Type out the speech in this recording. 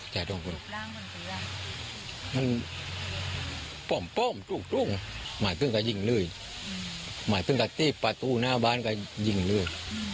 ใครหน่วงตรงนั้นก็ยิงตรงนั้นเลย